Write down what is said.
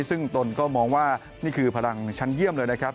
ซึ่งตนก็มองว่านี่คือพลังชั้นเยี่ยมเลยนะครับ